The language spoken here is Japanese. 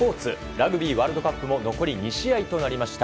ラグビーワールドカップも残り２試合となりました。